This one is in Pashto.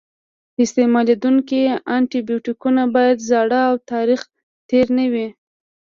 استعمالیدونکي انټي بیوټیکونه باید زاړه او تاریخ تېر نه وي.